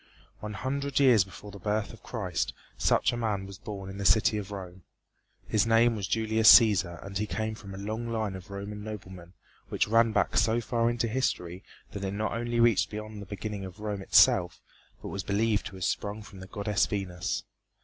One hundred years before the birth of Christ such a man was born in the city of Rome. His name was Julius Cæsar and he came from a long line of Roman noblemen which ran back so far into history that it not only reached beyond the beginning of Rome itself, but was believed to have sprung from the goddess, Venus.